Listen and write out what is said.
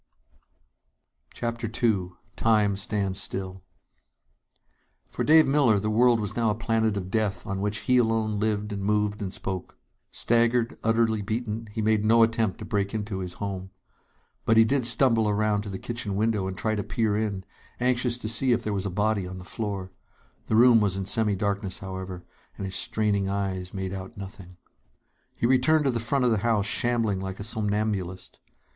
_" CHAPTER II Time Stands Still For Dave Miller, the world was now a planet of death on which he alone lived and moved and spoke. Staggered, utterly beaten, he made no attempt to break into his home. But he did stumble around to the kitchen window and try to peer in, anxious to see if there was a body on the floor. The room was in semi darkness, however, and his straining eyes made out nothing. He returned to the front of the house, shambling like a somnambulist.